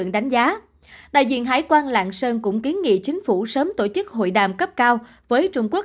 đánh giá đại diện hải quan lạng sơn cũng kiến nghị chính phủ sớm tổ chức hội đàm cấp cao với trung quốc